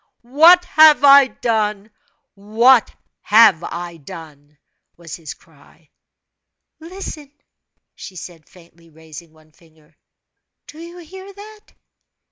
"What have I done? what have I done?" was his cry. "Listen!" she said, faintly raising one finger. "Do you hear that?"